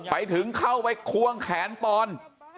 ไปถึงเข้าไว้คว่างแขนป้อน